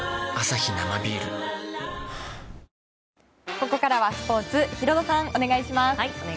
ここからはスポーツヒロドさん、お願いします。